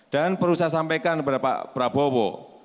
dan perlu saya sampaikan kepada pak prabowo